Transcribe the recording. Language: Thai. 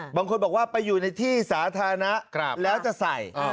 บางคนบอกว่าไปอยู่ในที่สาธารณะแล้วจะใส่